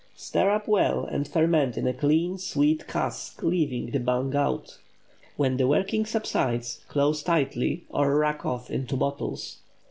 Stir up well and ferment in a clean, sweet cask, leaving the bung out. When the working subsides close tightly, or rack off into bottles.